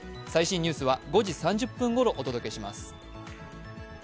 最新ニュースは５時３０分ごろお届けします。